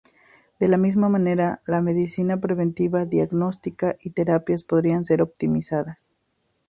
De la misma manera, la medicina preventiva, diagnóstica y terapias podrían ser optimizadas.